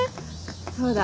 そうだ。